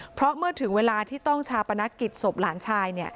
เพราะเมื่อถึงเวลาที่ต้องชาปนกิจศพหลานชาย